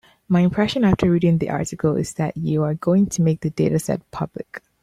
My impression after reading the article is that you are going to make the dataset public.